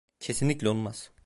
Kesinlikle olmaz.